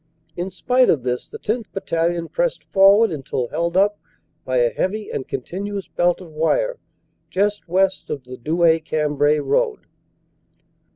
In spite of this the 10th. Battalion pressed for ward until held up by a heavy and continuous belt of wire just west of the Douai Cambrai road.